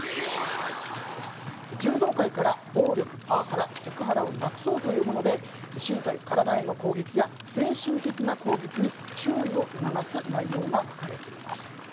柔道界から暴力・パワハラ・セクハラをなくそうというもので身体、体への攻撃や精神的な攻撃に注意を促す内容が書かれています。